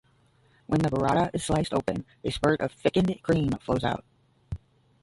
When the burrata is sliced open, a spurt of thickened cream flows out.